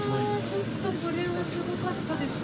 ちょっとこれはすごかったですね。